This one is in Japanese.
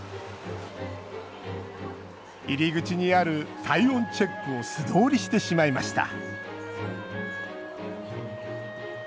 入り口にある体温チェックを素通りしてしまいました